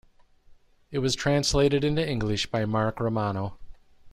It was translated into English by Marc Romano.